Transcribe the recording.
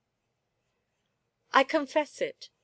" I confess it.